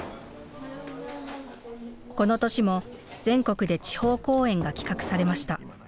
この年も全国で地方公演が企画されました。